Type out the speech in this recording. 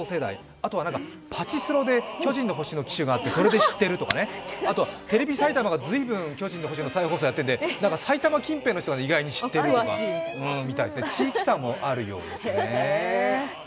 あとはパチスロで「巨人の星」の機種があってそれで知っているとか、あとはテレビ埼玉が再放送やってて、埼玉近辺の人が意外に知ってたり地域差もあるようですね。